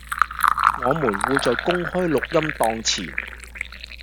我們會在公開錄音檔前